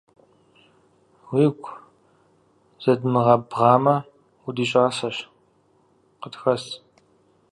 Уигу зэдмыгъэбгъамэ, удищӀасэщ, къытхэс.